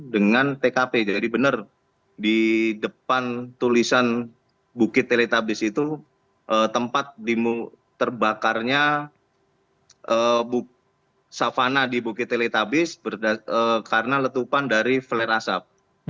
dengan tkp jadi benar di depan tulisan bukit teletabis itu tempat terbakarnya savana di bukit teletabis karena letupan dari fler asap